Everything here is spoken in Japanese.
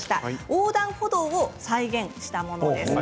横断歩道を再現したものです。